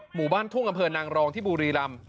หมู่บ้านทุ่งอำเภอนางรองที่บุรีรำ